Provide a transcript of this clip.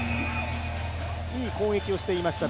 いい攻撃をしていました。